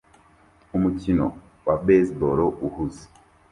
Umukino wa baseball uhuze